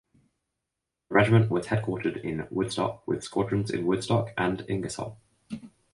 The regiment was headquartered in Woodstock with squadrons in Woodstock and Ingersoll.